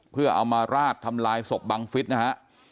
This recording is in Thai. เพื่อเอามาราดทำลายศพบังฟิศนะฮะ